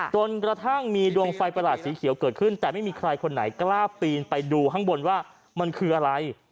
จนกระทั่งมีดวงไฟประหลาดสีเขียวเกิดขึ้นแต่ไม่มีใครคนไหนกล้าปีนไปดูข้างบนว่ามันคืออะไร